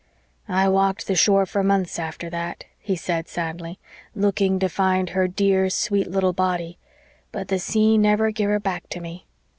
"I walked the shore for months after that," he said sadly, "looking to find her dear, sweet little body; but the sea never give her back to me.